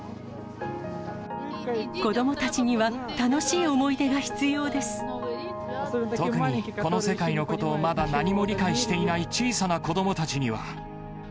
子どもたちには、楽しい思い特に、この世界のことをまだ何も理解していない小さな子どもたちには。